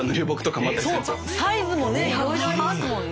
サイズもねいろいろありますもんね。